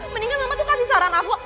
mendingan mama tuh kasih saran aku